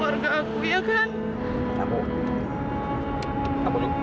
sama keluarga aku ya kan